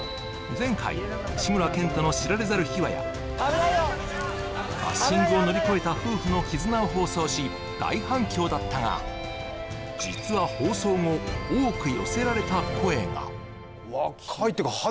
前回志村けんとの知られざる秘話やバッシングを乗り越えた夫婦の絆を放送し大反響だったが実はそうですか？